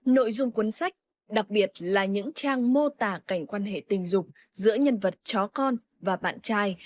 nội dung cuốn sách đặc biệt là những trang mô tả cảnh quan hệ tình dục giữa nhân vật chó con và bạn trai